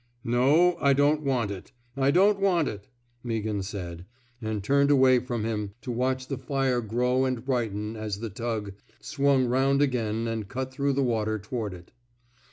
No. I don't want it. I don't want it," Meaghan said, and turned away from him to watch the fire grow and brighten as the tug swung around again and cut through the water toward it.